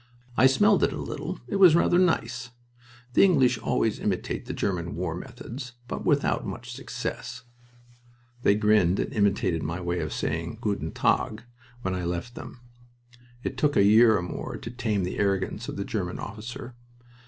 "I smelled it a little. It was rather nice... The English always imitate the German war methods, but without much success." They grinned and imitated my way of saying "Guten Tag" when I left them. It took a year or more to tame the arrogance of the German officer.